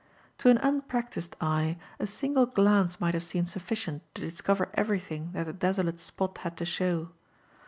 To an unpractised eye, a single glance might have seemed sufficient to discover everything that the desolate spot had to show.